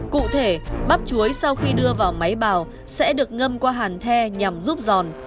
cụ thể bắp chuối sau khi đưa vào máy bào sẽ được ngâm qua hàn the nhằm giúp giòn